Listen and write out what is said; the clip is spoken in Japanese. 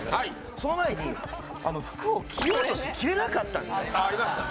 その前にあの服を着ようとして着れなかったんですねああありましたね